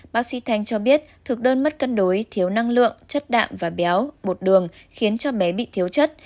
bác sĩ thanh cho biết thực đơn mất cân đối thiếu năng lượng chất đạm và béo bột đường khiến cho bé bị thiếu chất